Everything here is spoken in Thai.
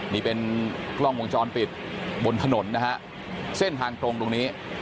นี่เป็นกล้องวงจรปิดบนถนนนะฮะเส้นทางตรงตรงนี้